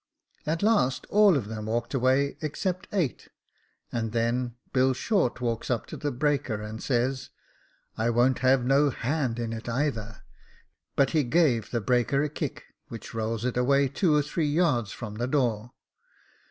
At last all of them walked away except eight, and then Bill Short walks up to the breaker and says, " *I won't have no hand in it either;' but he gave the breaker a kick, which rolls it away two or three yards from the door.